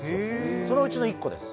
そのうちの１個です。